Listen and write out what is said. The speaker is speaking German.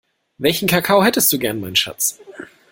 Welchen Kakao hättest du gern mein Schatz?